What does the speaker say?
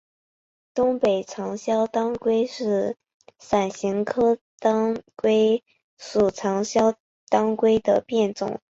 东北长鞘当归是伞形科当归属长鞘当归的变种。